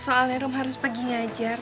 soalnya rum harus pagi ngajar